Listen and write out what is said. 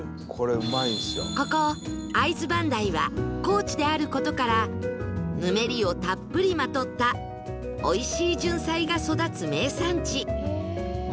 ここ会津磐梯は高地である事からぬめりをたっぷりまとったおいしいじゅんさいが育つ名産地